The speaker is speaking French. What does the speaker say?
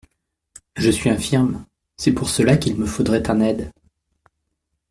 Je suis infirme ; c'est pour cela qu'il me faudrait un aide.